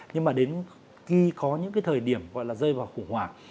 nhưng mà đến khi có những cái thời điểm gọi là rơi vào khủng hoảng